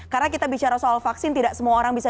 karena kita bicara soal vaksin tidak semua orang bisa